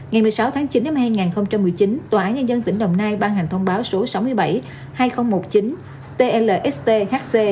ngày một mươi sáu tháng chín năm hai nghìn một mươi chín tòa án nhân dân tỉnh đồng nai ban hành thông báo số sáu mươi bảy hai nghìn một mươi chín tlstc